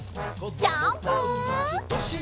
ジャンプ！